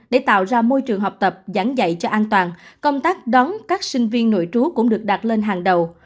để tạo ra môi trường học tập giảng dạy cho an toàn công tác đón các sinh viên nội trú cũng được đặt lên hàng đầu